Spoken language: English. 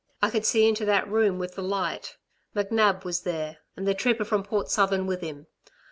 I could see into that room with the light. McNab was there, and the trooper from Port Southern with him.